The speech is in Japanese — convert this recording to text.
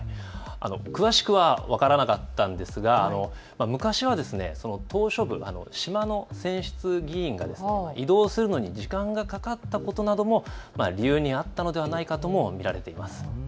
詳しくは分からなかったんですが昔は島しょ部、島の選出議員が移動するのに時間がかかったことなども理由にあったのではないかとも見られています。